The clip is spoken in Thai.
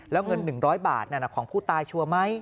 แล้วเงิน๑๐๐บาทนั่นของผู้ตายชัวร์ไหม